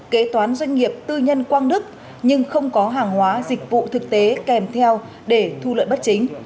kế toán doanh nghiệp tư nhân quang đức nhưng không có hàng hóa dịch vụ thực tế kèm theo để thu lợi bất chính